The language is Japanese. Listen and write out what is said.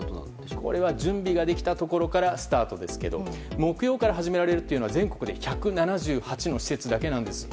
これは準備ができたところからスタートですけど木曜から始められるというのは全国で１７８の施設だけなんです。